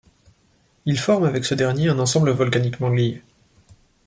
Il forme avec ce dernier un ensemble volcaniquement lié.